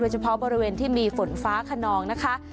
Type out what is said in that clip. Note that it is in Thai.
เฉพาะบริเวณที่มีฝนฟ้าขนองนะคะ